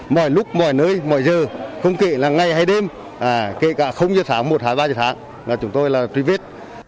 mọi lúc mọi nơi mọi giờ không kể là ngày hay đêm kể cả giờ sáng một hai ba giờ sáng mà chúng tôi là truy vết